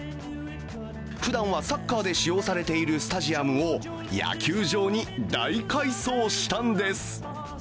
ふだんはサッカーで使用されているスタジアムを野球場に大改装したんです。